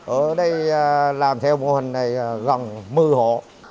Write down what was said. ở đây làm theo mô hình này gần một mươi hộ